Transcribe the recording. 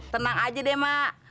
tenang aja deh mak